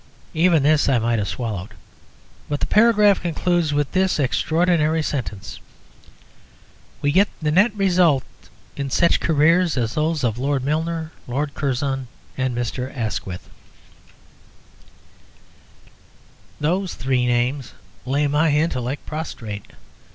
Even this I might have swallowed. But the paragraph concludes with this extraordinary sentence: "We get the net result in such careers as those of Lord Milner, Lord Curzon, and Mr. Asquith." Those three names lay my intellect prostrate.